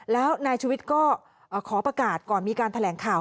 แล้วนายชุวิตก็ขอประกาศก่อนมีการแถลงข่าว